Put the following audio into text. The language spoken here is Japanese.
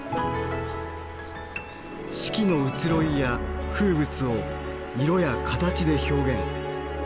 四季の移ろいや風物を色や形で表現。